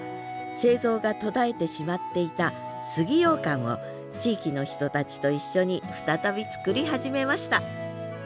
製造が途絶えてしまっていた杉ようかんを地域の人たちと一緒に再び作り始めました